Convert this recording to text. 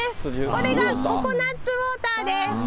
これがココナツウオーターです。